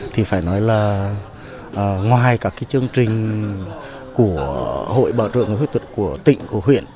thì phải nói là ngoài các chương trình của hội bảo trợ người khuyết tật của tỉnh của huyện